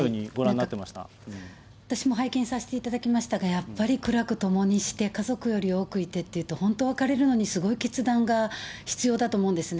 なんか、私も拝見させていただきましたが、やっぱり苦楽ともにして、家族より多くいてっていうと、本当別れるのにすごい決断が必要だと思うんですね。